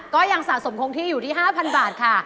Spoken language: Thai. ก็ยังสะสมคงที่อยู่ที่๕๐๐บาทค่ะ